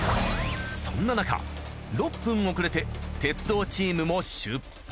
そんななか６分遅れて鉄道チームも出発！